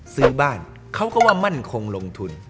ซื้อบ้านเขาก็ว่ามั่นคงลงทุน